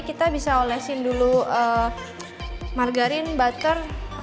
kita bisa olesin dulu margarin butter